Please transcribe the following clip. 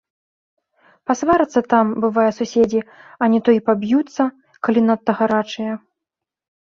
Пасварацца там, бывае, суседзі, а не то і паб'юцца, калі надта гарачыя.